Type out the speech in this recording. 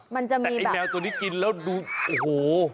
มันจะมีแต่ไอ้แมวตัวนี้กินแล้วดูโอ้โห